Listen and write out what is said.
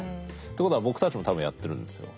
ということは僕たちも多分やってるんですよ。